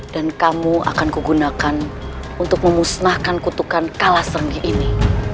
dan kamu akan kugunakan untuk memusnahkan kutukan kalas sergi ini